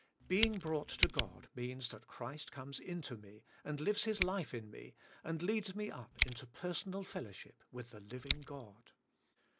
Being brought to God means that Christ comes into me and lives His life in me, and leads me up into personal fellowship with the Living God.